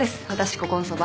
ここんそば。